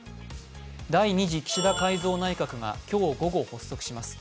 第２次岸田改造内閣が今日午後、発足します。